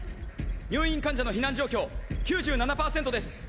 入院患者の避難状況９７％です！